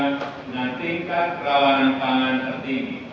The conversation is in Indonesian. dengan tingkat rawanan pangan tertinggi